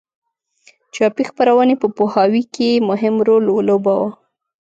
چاپي خپرونې په پوهاوي کې مهم رول ولوباوه.